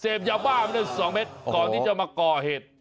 เสพเยาะบ้าไม่ได้สองเม็ดก่อนที่จะมาก่อเหตุ